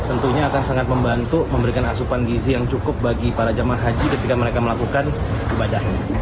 untuk memberikan asupan gizi yang cukup bagi para jemaah haji ketika mereka melakukan ibadah